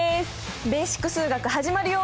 「ベーシック数学」始まるよ。